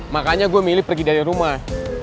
makanya gue milih pergi dari rumah